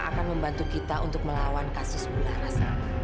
akan membantu kita untuk melawan kasus bularas